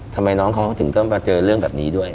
ทำไมน้องเขาถึงต้องมาเจอเรื่องแบบนี้ด้วย